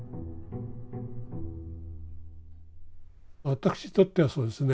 私にとってはそうですね